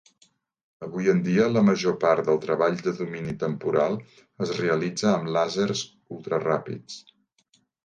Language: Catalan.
Avui en dia, la major part del treball de domini temporal es realitza amb làsers ultra ràpids.